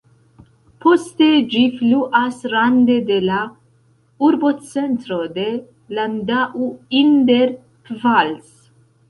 Poste ĝi fluas rande de la urbocentro de Landau in der Pfalz.